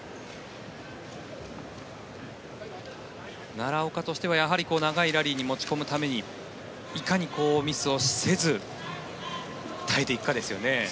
奈良岡としては、やはり長いラリーに持ち込むためにいかにミスをせず耐えていくかですよね。